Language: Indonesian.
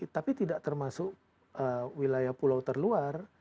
tapi tidak termasuk wilayah pulau terluar